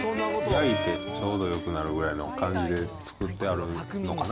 焼いてちょうどよくなるくらいの感じで作ってあるのかな。